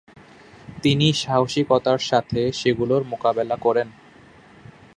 তিনি সাহসিকতার সাথে সেগুলোর মোকাবেলা করেন।